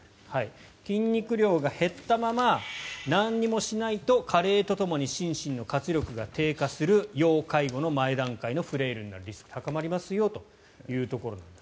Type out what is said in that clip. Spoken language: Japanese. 筋肉量が減ったまま何もしないと加齢とともに心身の活力が低下する要介護の前段階になるフレイルになるリスクが高まりますよというところになります。